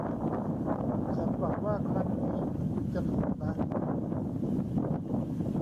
ฉันหวังว่าครั้งนี้คุณจะถูกนะ